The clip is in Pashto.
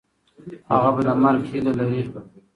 هغه به د مرګ هیله لري.